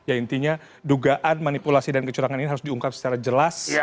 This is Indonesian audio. ya intinya dugaan manipulasi dan kecurangan ini harus diungkap secara jelas